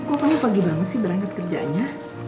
kok kami pagi banget sih berangkat kerjanya